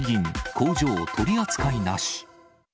工場取り扱いなし。